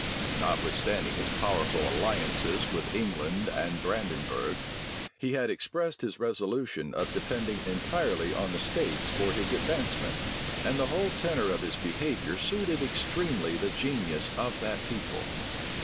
Notwithstanding his powerful alliances with England and Brandenburgh, he had expressed his resolution of depending entirely on the states for his advancement; and the whole tenor of his behavior suited extremely the genius of that people.